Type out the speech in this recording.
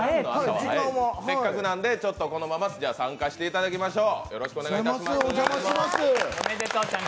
せっかくなんで、このまま参加していただきましょう。